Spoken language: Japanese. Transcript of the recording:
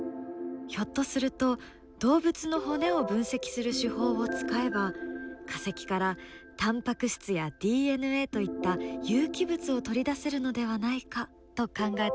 ひょっとすると動物の骨を分析する手法を使えば化石からタンパク質やＤＮＡといった有機物を取り出せるのではないかと考えたのです。